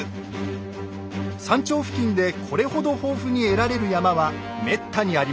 山頂付近でこれほど豊富に得られる山はめったにありません。